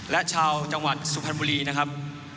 และชาวจังหวัดสุพรรณบุรีนะครับ